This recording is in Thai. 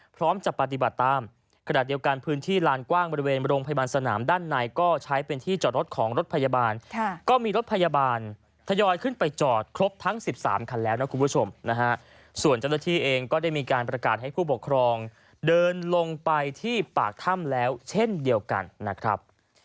พร้อมจะปฏิบัติตามขณะเดียวกันพื้นที่ลานกว้างบริเวณโรงพยาบาลสนามด้านในก็ใช้เป็นที่จอดรถของรถพยาบาลก็มีรถพยาบาลทยอยขึ้นไปจอดครบทั้ง๑๓คันแล้วนะคุณผู้ชมนะฮะส่วนเจ้าหน้าที่เองก็ได้มีการประกาศให้ผู้ปกครองเดินลงไปที่ปากถ้ำแล้วเช่นเดียวกันนะครับ